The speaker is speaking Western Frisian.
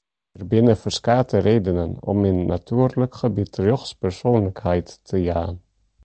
Der binne ferskate redenen om in natuerlik gebiet rjochtspersoanlikheid te jaan.